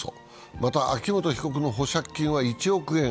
また、秋元被告の保釈金は１億円。